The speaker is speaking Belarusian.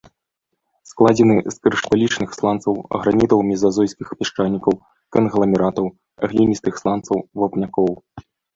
Складзены з крышталічных сланцаў, гранітаў мезазойскіх пясчанікаў, кангламератаў, гліністых сланцаў, вапнякоў.